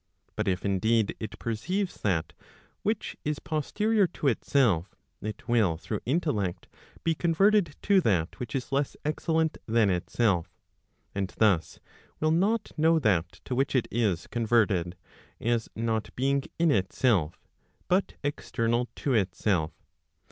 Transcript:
But if indeed it perceives that which is posterior to itself, it will through intellect be converted to that which is less excellent than itself; and thus will not know that to which it is converted, as not being in itself, but external to itself.